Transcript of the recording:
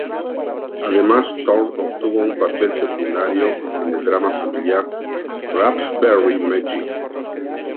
Además, Thorne obtuvo un papel secundario en el drama familiar "Raspberry Magic".